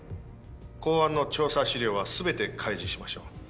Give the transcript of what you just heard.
公安の調査資料は全て開示しましょう。